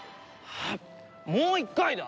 もう一回だ！